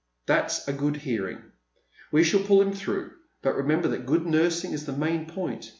" That's a good hearing. "We shall pull him through, but remember that good nursing is the main point.